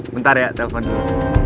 bentar ya telfon dulu